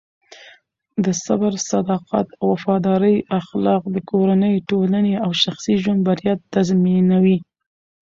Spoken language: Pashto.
د صبر، صداقت او وفادارۍ اخلاق د کورنۍ، ټولنې او شخصي ژوند بریا تضمینوي.